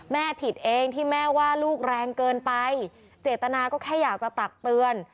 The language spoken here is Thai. ผิดเองที่แม่ว่าลูกแรงเกินไปเจตนาก็แค่อยากจะตักเตือน